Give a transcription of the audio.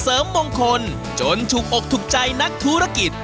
เสริมมงคลจนถูกอกถูกใจนักธุรกิจ